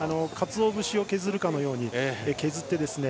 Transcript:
かつお節を削るかのように削って。